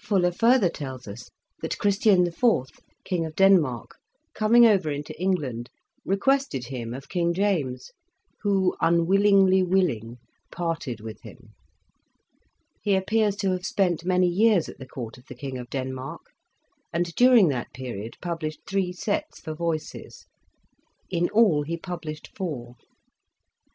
Fuller further tells us that Christian IV., King of Denmark, coming over into England, requested him ot King James, "who unwillingly willing parted with him." He appears to have spent many years at the court of the King of Denmark, and during that period published three '' Sets " for voices ; in all he published four.